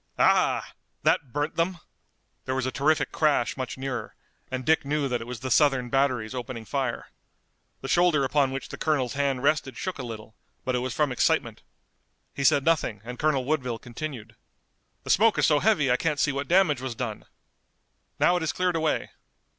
Ah h! That burnt them!" There was a terrific crash much nearer, and Dick knew that it was the Southern batteries opening fire. The shoulder upon which the colonel's hand rested shook a little, but it was from excitement. He said nothing and Colonel Woodville continued: "The smoke is so heavy I can't see what damage was done! Now it has cleared away!